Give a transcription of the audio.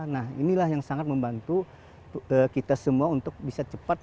nah inilah yang sangat membantu kita semua untuk bisa cepat